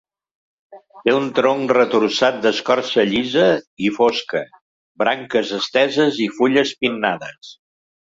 Té un tronc retorçat d'escorça llisa i fosca, branques esteses i fulles pinnades